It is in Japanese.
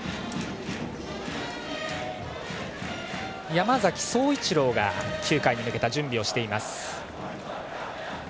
山崎颯一郎が９回に向けた準備をしています。